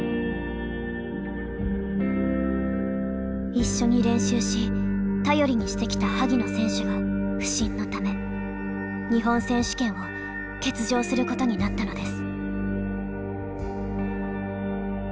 一緒に練習し頼りにしてきた萩野選手が不振のため日本選手権を欠場することになったのです。